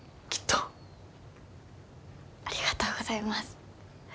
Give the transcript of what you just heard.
ありがとうございます。